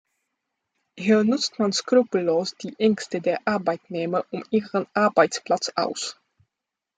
Hier nutzt man skrupellos die Ängste der Arbeitnehmer um ihren Arbeitsplatz aus.